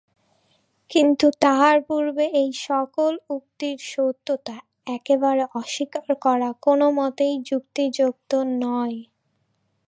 কিন্তু তাহার পূর্বে এই-সকল উক্তির সত্যতা একেবারে অস্বীকার করা কোনমতেই যুক্তিযুক্ত নয়।